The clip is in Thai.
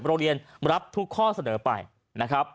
โรงเรียนรับทุกข้อเสนอไป